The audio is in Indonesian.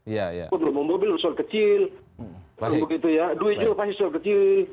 kalau belum mau mobil soal kecil duit juga pasti soal kecil